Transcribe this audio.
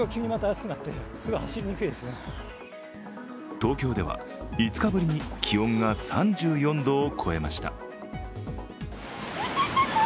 東京では５日ぶりに気温が３４度を超えました。